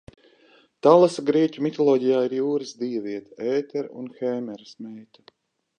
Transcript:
Talasa grieķu mitoloģijā ir jūras dieviete, Ētera un Hēmeras meita.